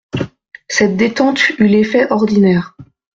Cette détente eut l'effet ordinaire.